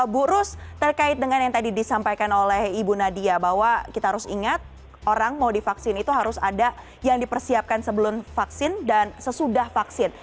bu rus terkait dengan yang tadi disampaikan oleh ibu nadia bahwa kita harus ingat orang mau divaksin itu harus ada yang dipersiapkan sebelum vaksin dan sesudah vaksin